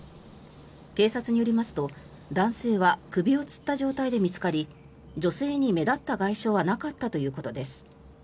警察によりますと男性は首をつった状態で見つかり女性に目立った外傷はなかったということです。